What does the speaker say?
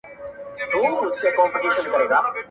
له ذاته زرغونېږي لطافت د باران یو دی,